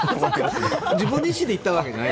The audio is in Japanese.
自分自身で行ったわけじゃない？